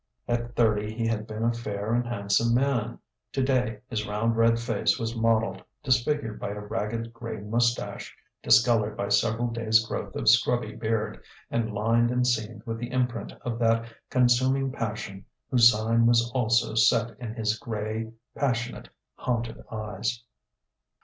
At thirty he had been a fair and handsome man; today his round red face was mottled, disfigured by a ragged grey moustache, discoloured by several days' growth of scrubby beard, and lined and seamed with the imprint of that consuming passion whose sign was also set in his grey, passionate, haunted eyes.